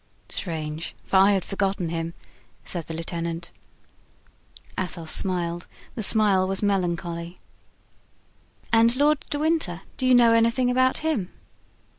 "Strange! for I had forgotten him," said the lieutenant. Athos smiled; the smile was melancholy. "And Lord de Winter—do you know anything about him?"